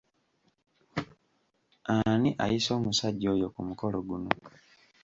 Ana ayise omusajja oyo ku mukolo guno?